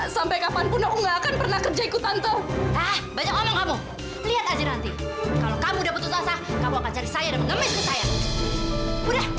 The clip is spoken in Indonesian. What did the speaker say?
sampai jumpa di video selanjutnya